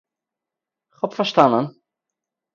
כ'האב פארשטאנען